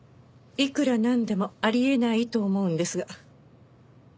いくらなんでもあり得ないと思うんですが。